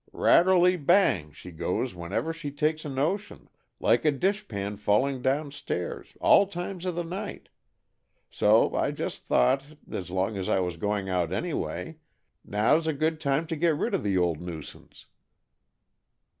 'Rattelty bang!' she goes just whenever she takes a notion, like a dish pan falling downstairs, all times of the night. So I just thought, as long as I was going out anyway, 'Now's a good time to get rid of the old nuisance!'"